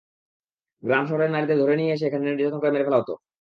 গ্রাম-শহরের নারীদের ধরে নিয়ে এসে এখানে নির্যাতন করে মেরে ফেলা হতো।